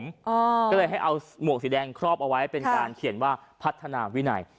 ก็เลยให้เอาหมวกสีแดงครอบเอาไว้เป็นการเขียนว่าพัฒนาวินัย